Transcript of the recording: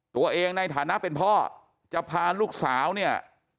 ในฐานะเป็นพ่อจะพาลูกสาวเนี่ย